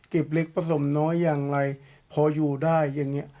เล็กผสมน้อยอย่างไรพออยู่ได้อย่างนี้